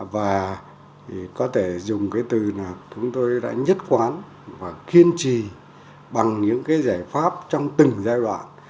và có thể dùng cái từ là chúng tôi đã nhất quán và kiên trì bằng những cái giải pháp trong từng giai đoạn